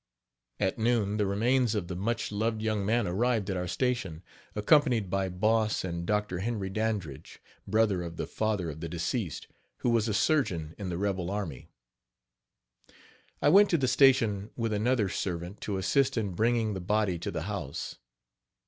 At noon, the remains of the much loved young man arrived at our station, accompanied by Boss and Dr. Henry Dandridge, brother of the father of the deceased, who was a surgeon in the rebel army. I went to the station with another servant, to assist in bringing the body to the house.